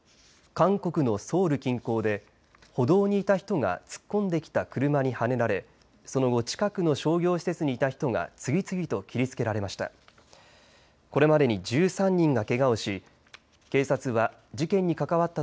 韓国のソウル近郊で歩道にいた人が突っ込んできた車にはねられその後近くの商業施設にいた人が次々と切りつけられました。